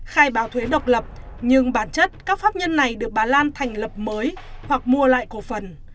khai báo thuế độc lập nhưng bản chất các pháp nhân này được bà lan thành lập mới hoặc mua lại cổ phần